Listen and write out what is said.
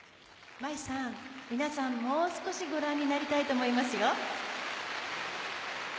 舞依さん、皆さん、もう少しご覧になりたいと思いますよ。